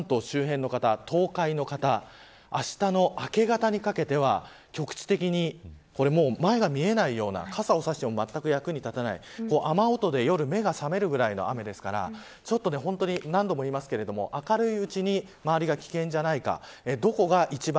関東周辺の方、東海の方あしたの明け方にかけては局地的に前が見えないような傘を差してもまったく役に立たない雨音で夜目が覚めるぐらいの雨ですから何度も言いますが明るいうちに周りが危険じゃないか